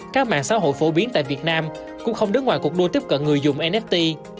các mạng xã hội phổ biến tại việt nam cũng không đứng ngoài cuộc đua tiếp cận người dùng nett